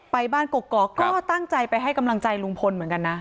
ไปบ้านกกอกก็ตั้งใจไปให้กำลังใจลุงพลเหมือนกันนะ